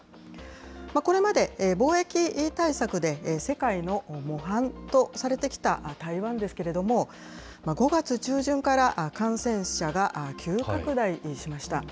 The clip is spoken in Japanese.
これまで防疫対策で世界の模範とされてきた台湾ですけれども、５月中旬から感染者が急拡大しました。